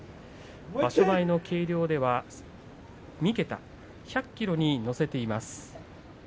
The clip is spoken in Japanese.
場所前の計量では３桁１００ｋｇに乗せています。